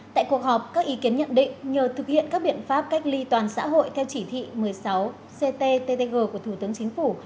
tại cuộc họp các ý kiến nhận định nhờ thực hiện các biện pháp cách ly toàn xã hội theo chỉ thị một mươi sáu cttg của thủ tướng chính phủ